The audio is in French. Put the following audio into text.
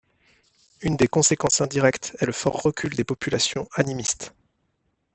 Une des conséquences indirecte est le fort recul des populations animistes.